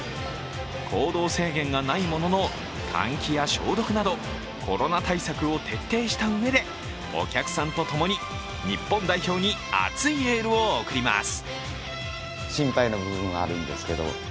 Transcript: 行動制限がないものの換気や消毒などコロナ対策を徹底したうえでお客さんとともに日本代表に熱いエールを送ります。